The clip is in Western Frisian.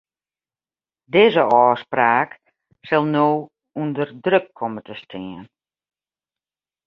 Dizze ôfspraak sil no ûnder druk komme te stean.